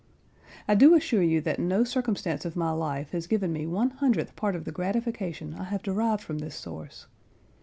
I do assure you that no circumstance of my life has given me one hundredth part of the gratification I have derived from this source.